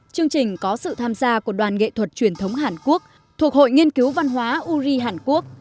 chương trình có sự tham gia của đoàn nghệ thuật truyền thống hàn quốc thuộc hội nghiên cứu văn hóa uri hàn quốc